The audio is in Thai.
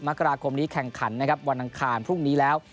มกราคมนี้แข่งขันนะครับวันอังคารพรุ่งนี้แล้ว